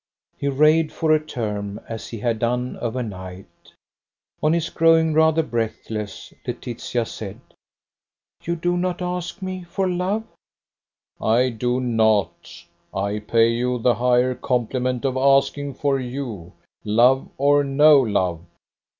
He raved for a term, as he had done overnight. On his growing rather breathless, Laetitia said: "You do not ask me for love?" "I do not. I pay you the higher compliment of asking for you, love or no love.